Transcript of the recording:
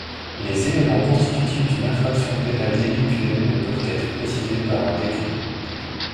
Les éléments constitutifs d’une infraction pénale délictuelle ne peuvent être précisés par un décret.